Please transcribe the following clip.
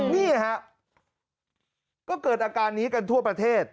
นี่ฮะก็เกิดอาการนี้กันทั่วประเทศ